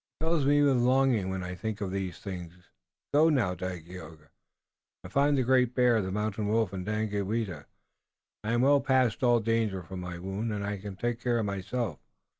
It fills me with longing when I think of these things. Go now, Dagaeoga, and find the Great Bear, the Mountain Wolf and Daganoweda. I am well past all danger from my wound, and I can take care of myself."